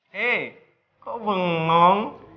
hei kok bengong